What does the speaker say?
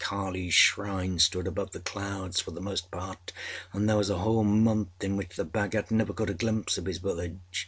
Kaliâs Shrine stood above the clouds, for the most part, and there was a whole month in which the Bhagat never caught a glimpse of his village.